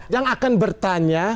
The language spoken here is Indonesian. yang akan bertanya